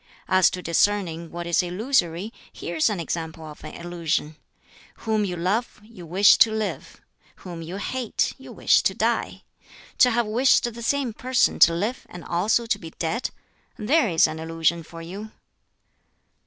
As to discerning what is illusory, here is an example of an illusion: Whom you love you wish to live; whom you hate you wish to die. To have wished the same person to live and also to be dead there is an illusion for you."